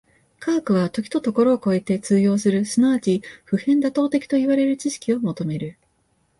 科学は時と処を超えて通用する即ち普遍妥当的といわれる知識を求める。